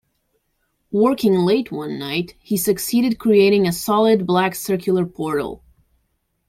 Working late one night, he succeeded creating a solid black circular portal.